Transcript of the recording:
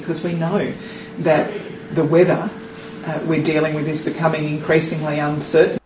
karena kita tahu bahwa kondisi yang kita hadapi menjadi lebih tidak yakin